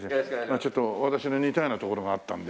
ちょっと私の似たようなところがあったんで。